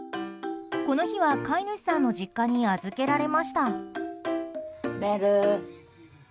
この日は、飼い主さんの実家に預けられました。